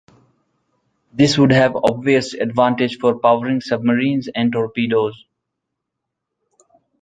This would have obvious advantages for powering submarines and torpedoes.